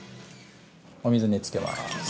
◆お水につけます。